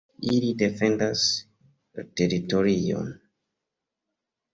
Ili defendas la teritorion.